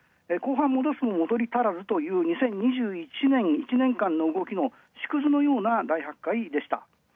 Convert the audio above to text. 後半戻すも戻り足らずという、２０２１年１年間の縮図のような大発会でした。